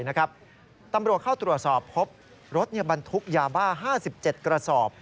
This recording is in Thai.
ตำรวจเข้าตรวจสอบพบรถบรรทุกยาบ้า๕๗กระสอบ